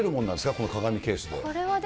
この鏡ケースで。